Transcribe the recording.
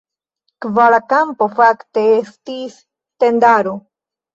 Kvara kampo fakte estis tendaro.